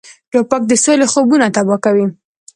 توپک د سولې خوبونه تباه کوي.